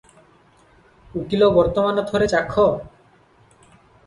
ଉକୀଲ - ବର୍ତ୍ତମାନ ଥରେ ଚାଖ ।